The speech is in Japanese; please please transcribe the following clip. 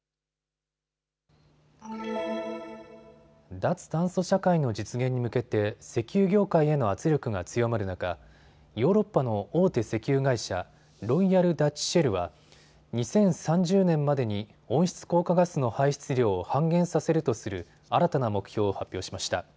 脱炭素社会の実現に向けて石油業界への圧力が強まる中、ヨーロッパの大手石油会社、ロイヤル・ダッチ・シェルは２０３０年までに温室効果ガスの排出量を半減させるとする新たな目標を発表しました。